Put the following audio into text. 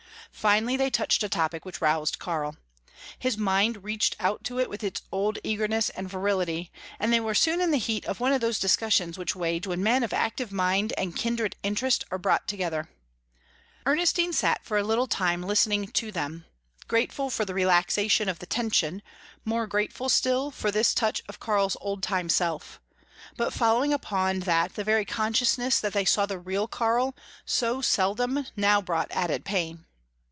Finally they touched a topic which roused Karl. His mind reached out to it with his old eagerness and virility, and they were soon in the heat of one of those discussions which wage when men of active mind and kindred interest are brought together. Ernestine sat for a little time listening to them, grateful for the relaxation of the tension, more grateful still for this touch of Karl's old time self. But following upon that the very consciousness that they saw the real Karl so seldom now brought added pain.